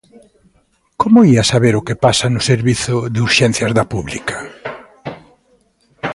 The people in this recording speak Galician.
¿Como ía saber o que pasa no servizo de urxencias da pública?